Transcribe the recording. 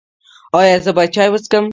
ایا زه باید چای وڅښم؟